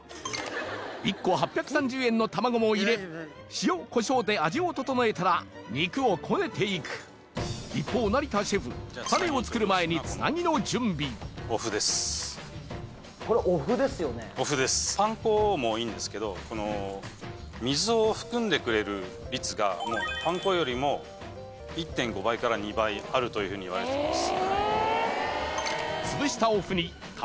１個８３０円の卵も入れ塩コショウで味を調えたら肉をこねていく一方成田シェフタネを作る前につなぎの準備パン粉もいいんですけど水を含んでくれる率がパン粉よりも１．５倍から２倍あるといわれています。